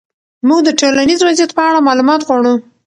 موږ د ټولنیز وضعیت په اړه معلومات غواړو.